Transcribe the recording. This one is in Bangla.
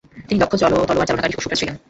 তিনি দক্ষ তলোয়ার চালনাকারী ও শুটার ছিলেন।